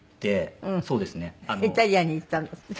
イタリアンに行ったんだって？